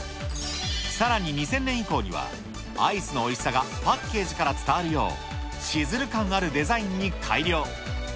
さらに２０００年以降には、アイスのおいしさがパッケージから伝わるよう、しずる感あるデザインに改良。